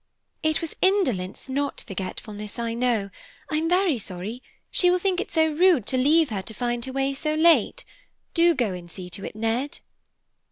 "It was indolence, not forgetfulness, I know. I'm very sorry; she will think it so rude to leave her to find her way so late. Do go and see to it, Ned."